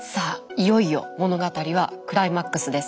いよいよ物語はクライマックスです。